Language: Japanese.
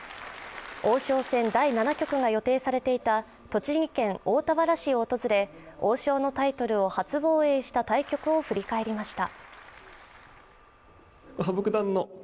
王将戦第７局が予定されていた栃木県大田原市を訪れ、王将のタイトルを初防衛した対局を振り返りました。